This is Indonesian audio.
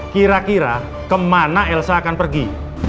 kira kira kemana elsa akan pergi